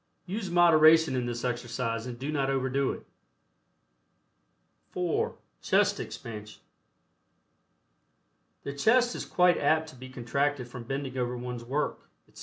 Use moderation in this exercise and do not overdo its (4) CHEST EXPANSION. The chest is quite apt to be contracted from bending over one's work, etc.